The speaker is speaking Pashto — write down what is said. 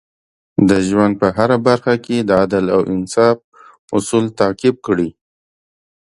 د ژوند په هره برخه کې د عدل او انصاف اصول تعقیب کړئ.